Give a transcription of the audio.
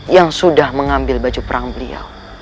yang sudah mengambil baju perang beliau